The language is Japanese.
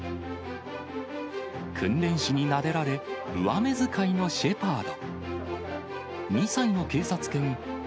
訓練士になでられ、上目使いのシェパード。